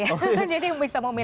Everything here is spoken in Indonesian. jadi bisa mau milih